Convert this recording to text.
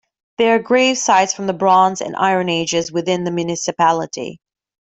There are grave sites from the Bronze and Iron Ages within the municipality.